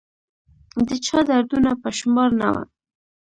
د چا دردونه په شمار نه وه